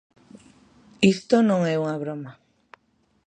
Isto non é unha broma.